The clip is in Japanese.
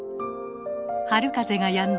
春風がやんだ